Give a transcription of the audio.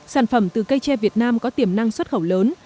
sản phẩm từ cây tre việt nam có tiềm năng xuất khẩu lớn